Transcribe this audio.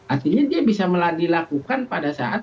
artinya dia bisa dilakukan pada saat